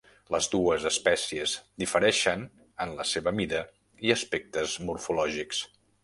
Les dues espècies difereixen en la seva mida i aspectes morfològics.